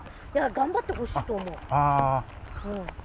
頑張ってほしいと思う。